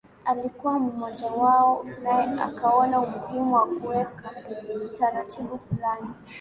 alikuwa mmojawao naye akaona umuhimu wa kuweka utaratibu fulani